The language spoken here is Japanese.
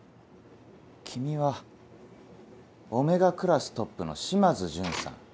君はΩクラストップの島津順さん。